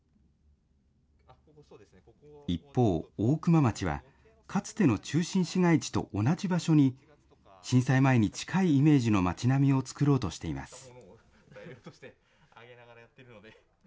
一方、大熊町は、かつての中心市街地と同じ場所に、震災前に近いイメージの町並みを作ろうとしています。